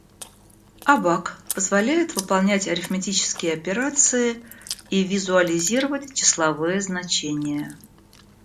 Абак позволяет выполнять арифметические операции и визуализировать числовые значения.